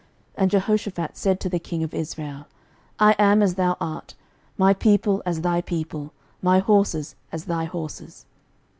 And Jehoshaphat said to the king of Israel, I am as thou art, my people as thy people, my horses as thy horses.